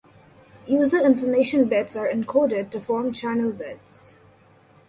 User information bits are encoded to form channel bits.